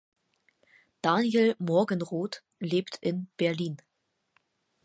Daniel Morgenroth lebt in Berlin.